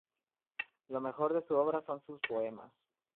Lo mejor de su obra son sus poemas.